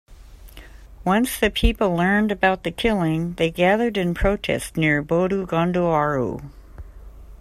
Once the people learned about the killing, they gathered in protest near Bodu Ganduvaru.